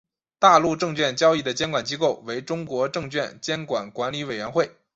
大陆证券交易的监管机构为中国证券监督管理委员会。